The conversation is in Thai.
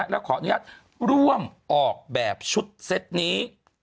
และขออนุญาตร่วมออกแบบชุดเซ็ตนี้